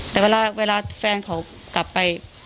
แต่เวลาแฟนเขากลับไป